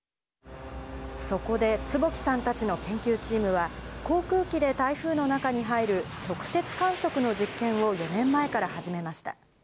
そこで、坪木さんたちの研究チームは、航空機で台風の中に入る、直接観測の実験を、４年前から始めました。